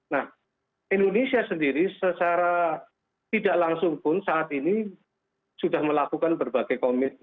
nah indonesia sendiri secara tidak langsung pun saat ini sudah melakukan berbagai komitmen